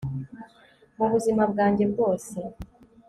mu buzima bwanjye bwose